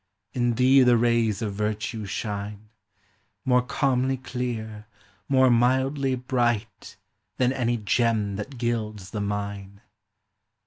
In thee the rays of Virtue shine, More calmly clear, more mildly bright, Than any gem that gilds the mine.